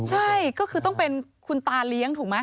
ใช่ก็คือต้องเป็นคุณตาเลี้ยงถูกไหม